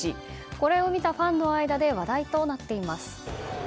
これを見たファンの間で話題となっています。